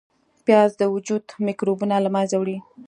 پیاز د وجود میکروبونه له منځه وړي